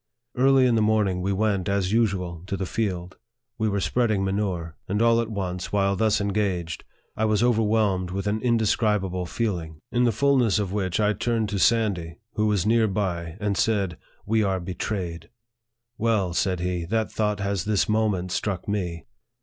Early in the morning, we went, as usual, to the field. We were spreading manure ; and all at once, while thus engaged, I was over whelmed with an indescribable feeling, in the fulness of which I turned to Sandy, who was near by, and said, " We are betrayed !"" Well," said he, " that thought has this moment struck me."